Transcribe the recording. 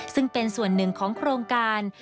ซึ่งเป็นส่วนหนึ่งของโครงการ